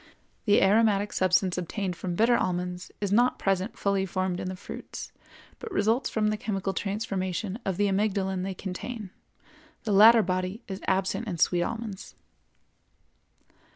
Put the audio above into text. The aromatic substance obtained from bitter almonds is not present fully formed in the fruits, but results from the chemical transformation of the amygdalin they contain; the latter body is absent in sweet almonds.